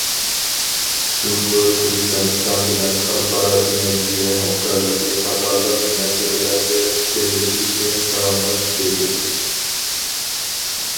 جۇڭگو تۈركمەنىستان بىلەن خەلقئارا ئېنېرگىيە ھەمكارلىقى قاتارلىق مەسىلىلەردە پىكىرلىشىشنى داۋاملىق كۈچەيتىدۇ.